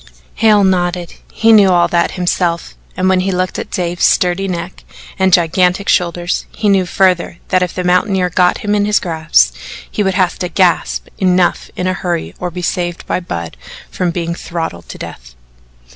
Hale nodded he knew all that himself, and when he looked at Dave's sturdy neck, and gigantic shoulders, he knew further that if the mountaineer got him in his grasp he would have to gasp "enough" in a hurry, or be saved by Budd from being throttled to death.